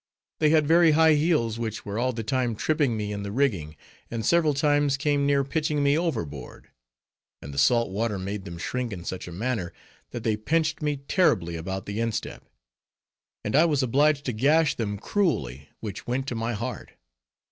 They had very high heels, which were all the time tripping me in the rigging, and several times came near pitching me overboard; and the salt water made them shrink in such a manner, that they pinched me terribly about the instep; and I was obliged to gash them cruelly, which went to my very heart.